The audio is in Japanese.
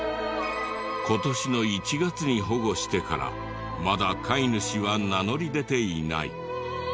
今年の１月に保護してからまだ飼い主は名乗り出ていない。